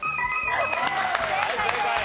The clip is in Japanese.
正解です。